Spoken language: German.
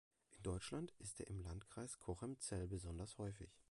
In Deutschland ist er im Landkreis Cochem-Zell besonders häufig.